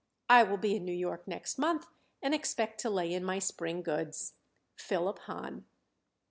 I will be in N. Y. next month and expect to lay in my spring goods. PHILIP HAHN.